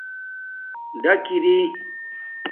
ڈک اری